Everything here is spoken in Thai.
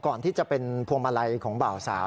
ก่อนที่จะเป็นพวงมาลัยของบ่าวสาว